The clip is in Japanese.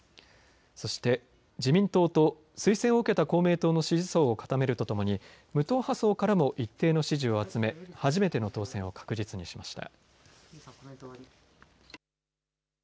そして、自民党と推薦を受けた公明党の支持層を固めるとともに無党派層からも一定の支持を集め初めての当選を確実にしました。